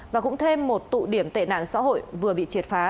và cũng thêm một tụ điểm tệ nạn xã hội vừa bị triệt phá